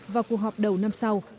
vào cuộc họp đầu năm sau